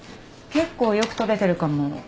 結構よく撮れてるかも。